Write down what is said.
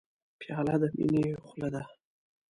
پیاله د مینې خوله ده.